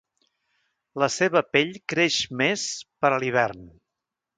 La seva pell creix més per a l'hivern.